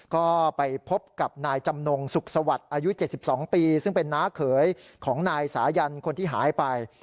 ก็ไปพบกับนายจำนงสุขสวัสดิ์อายุ๗๒ปีซึ่งเป็นน้าเขยของนายสายันคนที่หายไป